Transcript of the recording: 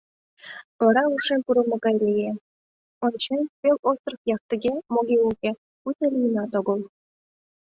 Вара ушем пурымо гае лие, ончем — пел остров яхтыге моге уке, пуйто лийынат огыл.